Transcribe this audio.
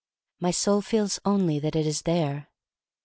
My soul feels only that it is there.